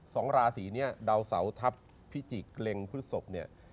สองราศรีเนี่ยดาวเสาทัพพิจิกษ์เกร็งพฤษภพเนี่ย